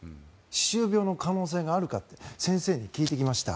歯周病の可能性があるか先生に聞いてきました。